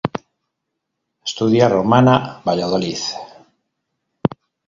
Studia Romana, Valladolid.